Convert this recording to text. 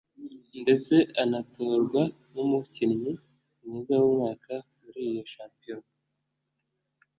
ndetse anatorwa nk’umukinnyi mwiza w’umwaka muri iyo shampiyona